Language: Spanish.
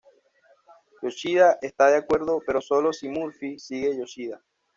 Yoshida está de acuerdo, pero sólo si Murphy sigue Yoshida.